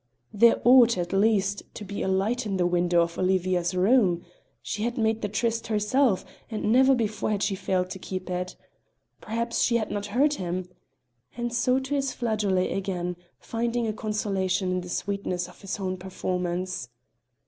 There ought, at least, to be a light in the window of Olivia's room. She had made the tryst herself, and never before had she failed to keep it. Perhaps she had not heard him. And so to his flageolet again, finding a consolation in the sweetness of his own performance.